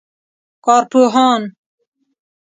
کارپوهان